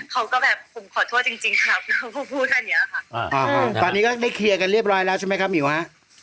เขาก็แบบผมขอโทษจริงครับเขาก็พูดแค่นี้ค่ะตอนนี้ก็ได้เคลียร์กันเรียบร้อยแล้วใช่ไหมครับหมิวฮะ